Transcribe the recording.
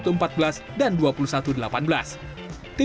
tim liputan cnn indonesia